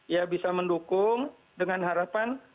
ya bisa mendukung dengan harapan